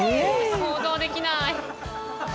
想像できない。